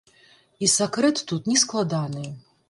І сакрэт тут нескладаны.